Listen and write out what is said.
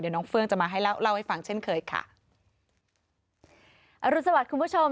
เดี๋ยวน้องเฟื้องจะมาให้เล่าเล่าให้ฟังเช่นเคยค่ะอรุณสวัสดิ์คุณผู้ชม